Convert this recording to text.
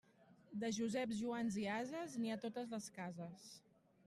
De Joseps, Joans i ases, n'hi ha a totes les cases.